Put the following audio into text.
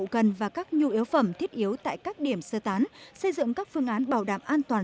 cần và các nhu yếu phẩm thiết yếu tại các điểm sơ tán xây dựng các phương án bảo đảm an toàn